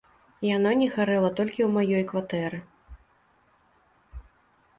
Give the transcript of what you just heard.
Яно не гарэла толькі ў маёй кватэры.